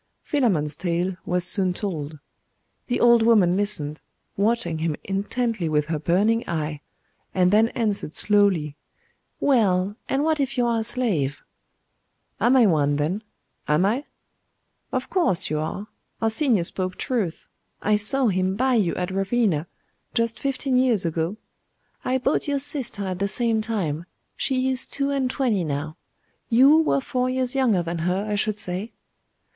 Philammon's tale was soon told. The old woman listened, watching him intently with her burning eye; and then answered slowly 'Well, and what if you are a slave?' 'Am I one, then? Am I?' 'Of course you are. Arsenius spoke truth. I saw him buy you at Ravenna, just fifteen years ago. I bought your sister at the same time. She is two and twenty now. You were four years younger than her, I should say.